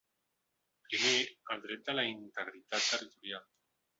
Primer, el dret de la integritat territorial.